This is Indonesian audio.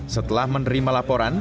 setelah menerima laporan